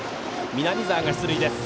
南澤が出塁です。